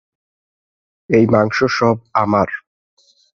এই মাংস সব আমার।